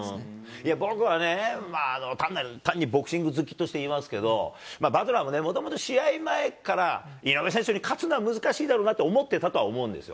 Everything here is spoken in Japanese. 僕はね、単にボクシング好きとして言いますけど、バトラーももともと試合前から、井上選手に勝つのは難しいだろうなとは思ってたとは思うんですよ。